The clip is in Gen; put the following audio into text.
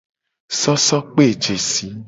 Sosokpejesi.